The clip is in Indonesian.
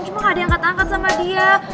cuma gak ada yang ngakak ngakak sama dia